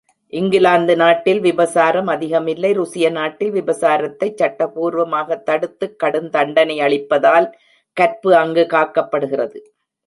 இங்கிலாந்து நாட்டில் விபசாரம் அதிகமில்லை, ருசிய நாட்டில், விபசாரத்தைச் சட்டபூர்வமாகத் தடுத்துக் கடுந்தண்டனையளிப்பதால், கற்பு அங்குக் காக்கப்படுகிறது.